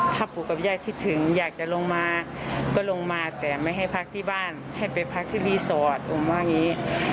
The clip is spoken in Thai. ถ้าปู่กับย่าคิดถึงอยากจะลงมาก็ลงมาแต่ไม่ให้พักที่บ้านให้ไปพักที่รีสอร์ทผมว่าอย่างนี้